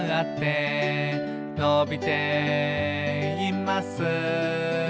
「のびています」